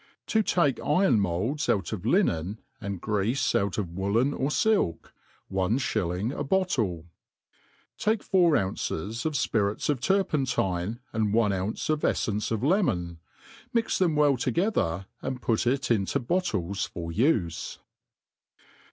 To take Iron Molds out of Linen^ and Greafe out of Woollen or SilL — One Shilling a Bottle. TAKE four ounces of fpirits of turpentine, and one ounce of eflence of lemon ; mix them well together, and put it into bottles for ufc.